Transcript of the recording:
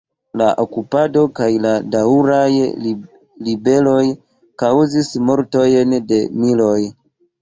La okupado kaj la daŭraj ribeloj kaŭzis mortojn de miloj.